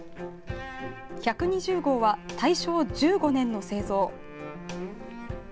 １２０号は大正１５年の製造。